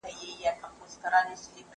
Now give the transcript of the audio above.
لکه چرگ، غول خوري، مشوکه څنډي.